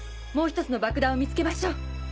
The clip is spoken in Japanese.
もう１つの爆弾を見つけましょう！